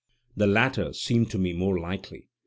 The latter seemed to me more likely.